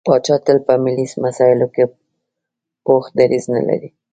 پاچا تل په ملي مسايلو کې پوخ دريځ نه لري.